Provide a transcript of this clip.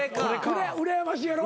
うらやましいやろ？